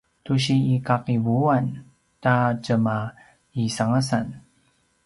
tu si iqaqivuan ta tjemaisangasan